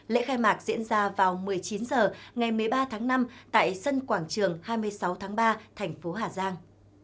lễ khai mạc diễn ra vào một mươi chín h ngày một mươi ba tháng năm tại sân quảng trường hai mươi sáu tháng ba thành phố hà giang